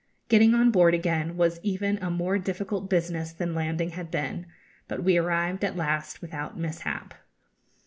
Getting on board again was even a more difficult business than landing had been; but we arrived at last without mishap.